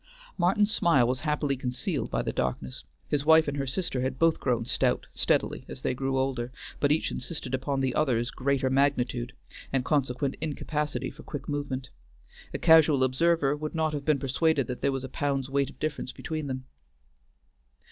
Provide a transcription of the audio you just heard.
Martin's smile was happily concealed by the darkness; his wife and her sister had both grown stout steadily as they grew older, but each insisted upon the other's greater magnitude and consequent incapacity for quick movement. A casual observer would not have been persuaded that there was a pound's weight of difference between them.